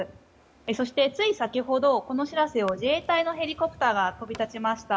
そしてつい先ほどこの「しらせ」を自衛隊のヘリコプターが飛び立ちました。